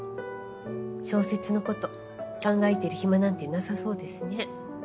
小説のこと考えてる暇なんてなさそうですね。